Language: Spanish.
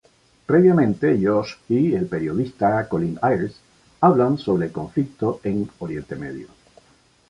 Previamente, Josh y el periodista Colin Ayres hablan sobre el conflicto en Oriente Medio.